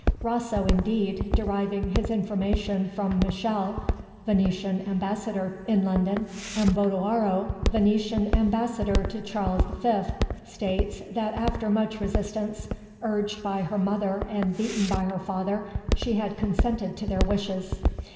Rosso indeed, deriving his information from Michele, Venetian ambassador in London, and Bodoaro, Venetian ambassador to Charles V., states that after much resistance, urged by her mother and beaten by her father, she had consented to their wishes.